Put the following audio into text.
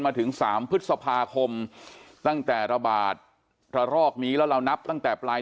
มาถึง๓พฤษภาคมตั้งแต่ระบาดระลอกนี้แล้วเรานับตั้งแต่ปลาย